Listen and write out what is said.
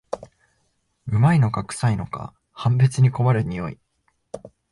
旨いのかくさいのか判別に困る匂い